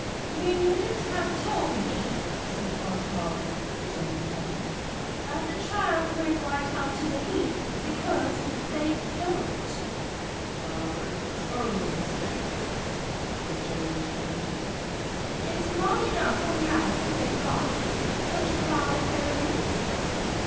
"You needn't have told me," said Aunt Martha at the journey's end, "that the trams went right up to the Heath, because they don't." "Well, it's only a step," said George apologetically. "It's long enough for Gladys to get lost, such a crowd as there is.